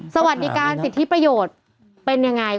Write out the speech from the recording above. สวัสดีการสิทธิประโยชน์เป็นยังไง